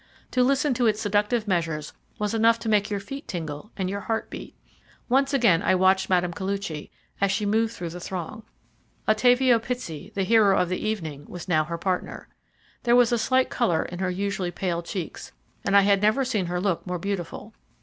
To listen to its seductive measures was enough to make your feet tingle and your heart beat. Once again I watched Mme. Koluchy as she moved through the throng. Ottavio Pitsey, the hero of the evening, was now her partner. There was a slight colour in her usually pale checks, and I had never seen her look more beautiful.